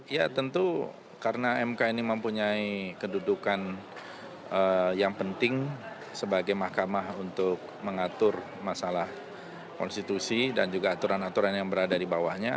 ya tentu karena mk ini mempunyai kedudukan yang penting sebagai mahkamah untuk mengatur masalah konstitusi dan juga aturan aturan yang berada di bawahnya